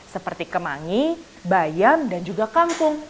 seperti kemangi bayam dan juga kangkung